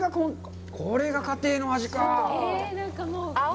これが家庭の味かあ。